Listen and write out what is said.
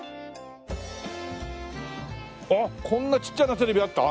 あっこんなちっちゃなテレビあった？